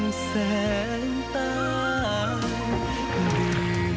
ไม่อยากพระควัญพิรม